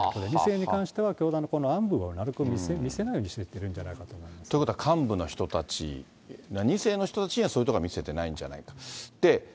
２世に関しては、教団の暗部をなるべく見せないようにしてるんじゃないかと思いまということは幹部の人たち、２世の人たちにはそういうところは見せてないんじゃないかと。